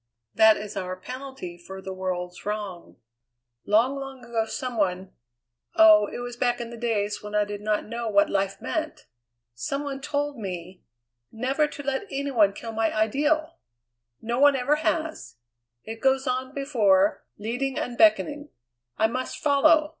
That is our penalty for the world's wrong. Long, long ago some one oh! it was back in the days when I did not know what life meant some one told me never to let any one kill my ideal! No one ever has! It goes on before, leading and beckoning. I must follow.